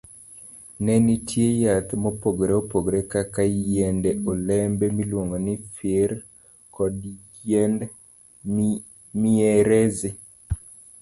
Ne nitie yath mopogore opogore kaka yiend olembe miluongo ni fir, kod yiend mierezi.